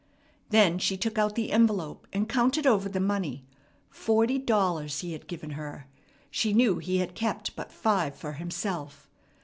Then she took out the envelope, and counted over the money. Forty dollars he had given her. She knew he had kept but five for himself.